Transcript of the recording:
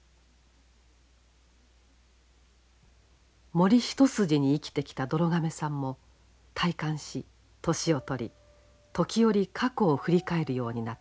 森一筋に生きてきたどろ亀さんも退官し年を取り時折過去を振り返るようになった。